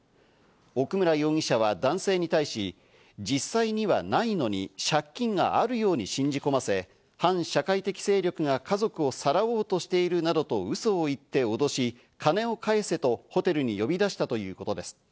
奥村容疑者は男性に対し、実際にはないのに借金があるように信じ込ませ、反社会的勢力が家族をさらおうとしているなどとウソを言って脅し、金を返せとホテルに呼び出したということです。